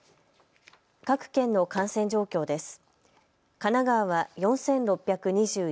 各県の感染状況です。